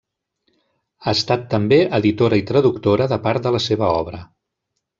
Ha estat també editora i traductora de part de la seva obra.